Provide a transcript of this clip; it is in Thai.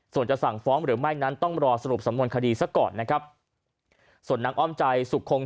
ส่วนจะสั่งฟ้องหรือไม่นั้นต้องรอสรุปสำนวนคดีซะก่อนนะครับส่วนนางอ้อมใจสุขคง